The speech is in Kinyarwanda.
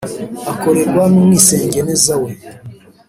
akorerwa n umwisengeneza we